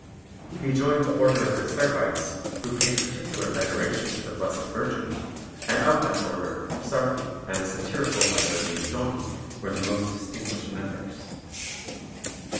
He joined the order of the Servites, who paid particular veneration to the Blessed Virgin, and of that order Sarpi and a satirical writer named Doni were the most distinguished members.